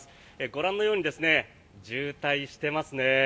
ご覧のように渋滞していますね。